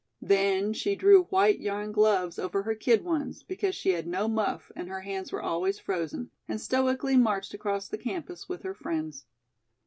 Then she drew white yarn gloves over her kid ones, because she had no muff and her hands were always frozen, and stoically marched across the campus with her friends.